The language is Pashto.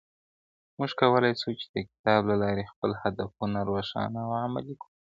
• موږ کولای سو چي د کتاب له لاري خپل هدفونه روښانه او عملي کړو -